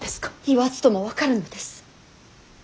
言わずとも分かるのです。